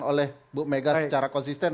oleh bu mega secara konsisten